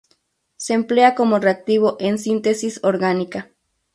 Se emplea como reactivo en síntesis orgánica.